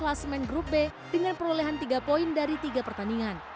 kelas main grup b dengan perolehan tiga poin dari tiga pertandingan